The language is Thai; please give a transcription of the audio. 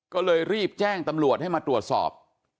ก็เลยรีบแจ้งตำรวจให้มาตรวจสอบ